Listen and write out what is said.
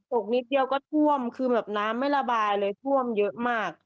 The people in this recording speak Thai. อกนิดเดียวก็ท่วมคือแบบน้ำไม่ระบายเลยท่วมเยอะมาก